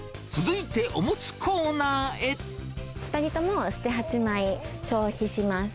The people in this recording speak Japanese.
２人とも７、８枚消費します。